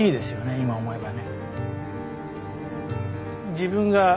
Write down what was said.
今思えばね。